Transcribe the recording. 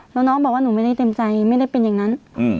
แล้วน้องบอกว่าหนูไม่ได้เต็มใจไม่ได้เป็นอย่างนั้น